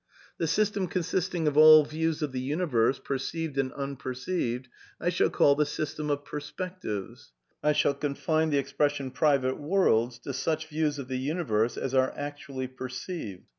... The system consist ing of all views of the universe, perceived and unperceived, I shall call the system of ' perspectives '; I shall confine the ex pression 'private worlds' to such views of the universe as are actually perceived.